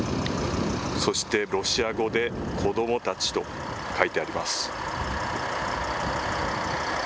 そしてロシア語で、子どもたちと書いてあります。